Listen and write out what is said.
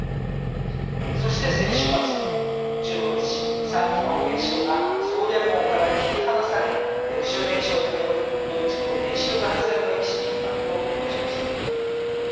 そして先週末１５日３基の原子炉が送電網から切り離され６０年以上に及ぶドイツの原子力発電の歴史に幕を閉じました。